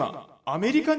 アアメリカ？